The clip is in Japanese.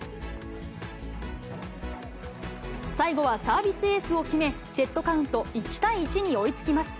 最後はサービスエースを決め、セットカウント１対１に追いつきます。